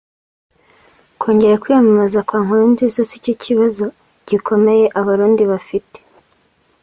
Kongera kwiyamamaza kwa Nkurunziza sicyo kibazo gikomeye Abarundi bafite